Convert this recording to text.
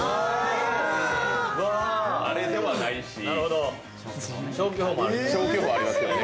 あれではないし消去法もありますよね。